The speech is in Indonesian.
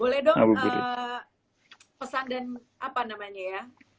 boleh dong pesan dan apa namanya ya